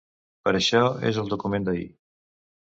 Però això és el document d'ahir!